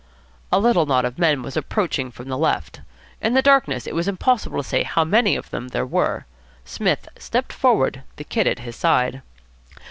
A little knot of men was approaching from the left. In the darkness it was impossible to say how many of them there were. Psmith stepped forward, the Kid at his side.